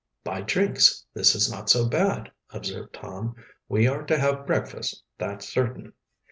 "By Jinks, this is not so bad!" observed Tom. "We are to have breakfast, that's certain."